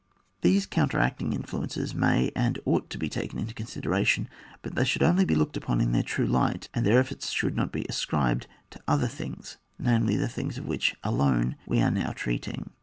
These counteracting influences may and ought to be taken into consideration, but they should only be looked upon in their true light, and their effects should not be ascribed to other things, namely the things of which alone we are now treating.